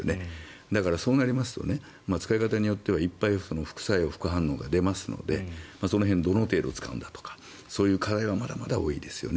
だから、そうなりますと使い方によってはいっぱい副作用、副反応が出ますのでその辺、どの程度使うんだとか課題はまだまだ多いですよね。